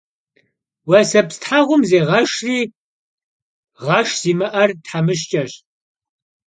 Vueseps theğum zêğeşşri, ğeşş zimı'er themışç'eş.